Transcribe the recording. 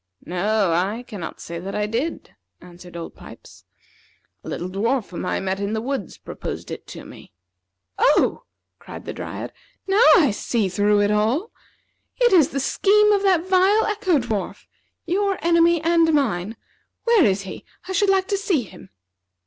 "No, I cannot say that I did," answered Old Pipes. "A little dwarf whom I met in the woods proposed it to me." "Oh!" cried the Dryad; "now I see through it all. It is the scheme of that vile Echo dwarf your enemy and mine. Where is he? I should like to see him."